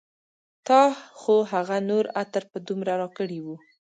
تا خو هغه نور عطر په دومره راکړي و